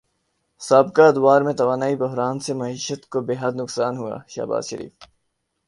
سابقہ ادوار میں توانائی بحران سے معیشت کو بیحد نقصان ہوا شہباز شریف